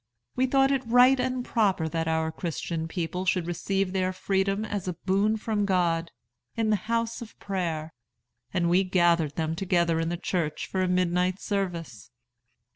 We thought it right and proper that our Christian people should receive their freedom as a boon from God, in the house of prayer; and we gathered them together in the church for a midnight service.